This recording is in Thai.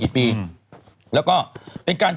หมวดไปทั้งหลายพันทุกอย่าง